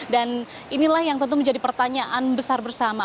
dan inilah yang tentu menjadi pertanyaan besar bersama